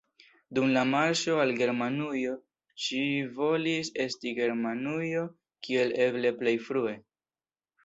Dum la marŝo al Germanujo ŝi volis esti en Germanujo kiel eble plej frue.